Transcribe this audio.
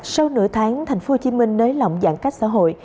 sau nửa tháng thành phố hồ chí minh nới lỏng giãn cách xã hội